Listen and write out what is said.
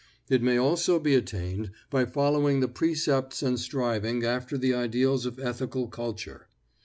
It may also be attained by following the precepts and striving after the ideals of Ethical Culture.